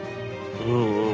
うんうん